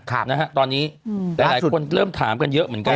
ครับตอนนี้หลายคนเริ่มถามกันเยอะเหมือนกัน